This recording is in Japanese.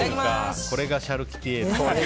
これがシャルキュティエールか。